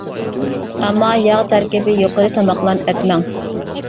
ئەمما ياغ تەركىبى يۇقىرى تاماقلارنى ئەتمەڭ.